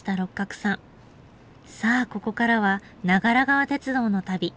さあここからは長良川鉄道の旅。